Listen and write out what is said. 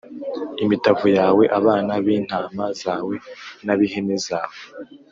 imitavu yawe, abana b’intama zawe n’ab’ihene zawe.